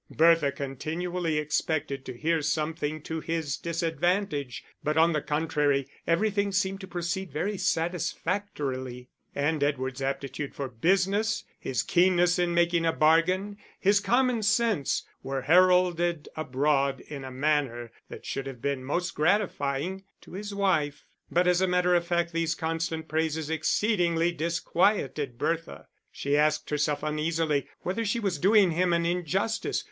Bertha continually expected to hear something to his disadvantage; but, on the contrary, everything seemed to proceed very satisfactorily; and Edward's aptitude for business, his keenness in making a bargain, his common sense, were heralded abroad in a manner that should have been most gratifying to his wife. But as a matter of fact these constant praises exceedingly disquieted Bertha. She asked herself uneasily whether she was doing him an injustice.